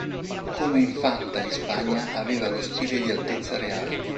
Come Infanta di Spagna aveva lo stile di Altezza Reale.